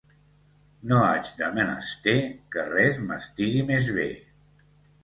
No haig de menester que res m'estigui més bé.